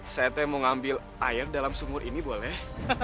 saya teh mau ngambil air dalam sumur ini boleh